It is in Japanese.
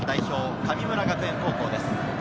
・神村学園高校です。